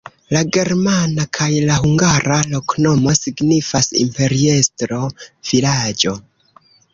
La germana kaj la hungara loknomo signifas: imperiestro-vilaĝo.